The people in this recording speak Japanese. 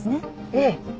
ええ。